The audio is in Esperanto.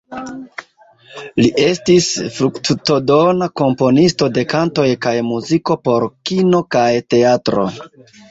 Li estis fruktodona komponisto de kantoj kaj muziko por kino kaj teatro.